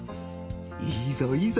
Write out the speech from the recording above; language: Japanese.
いいぞいいぞ